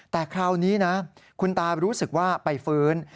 แต่คราวนี้นะคุณตารู้สึกว่าไปฟื้น